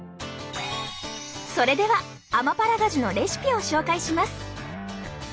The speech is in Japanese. それではアマパラガジュのレシピを紹介します。